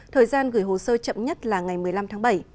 thời gian gửi hồ sơ chậm nhất là ngày một mươi năm tháng bảy